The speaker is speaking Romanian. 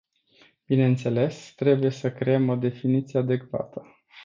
Bineînțeles, trebuie să creăm o definiție adecvată.